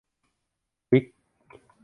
วิค